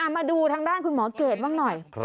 มาดูทางด้านคุณหมอเกรดบ้างหน่อย